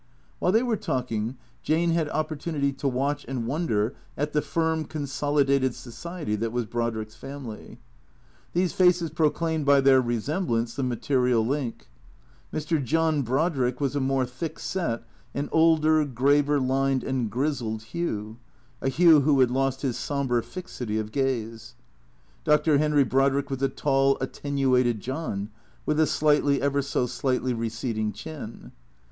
While they were talking Jane had opportunity to watch and wonder at the firm, consolidated society that was Brodrick's family. These faces proclaimed by their resemblance the ma terial link. Mr. John Brodrick was a more thick set, an older, graver lined, and grizzled Hugh, a Hugh who had lost his sombre fixity of gaze. Dr. Henry Brodrick was a tall, atten uated John, with a slightly, ever so slightly receding chin.